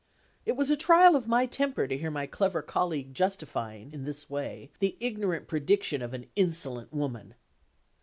It was a trial of my temper to hear my clever colleague justifying, in this way, the ignorant prediction of an insolent woman.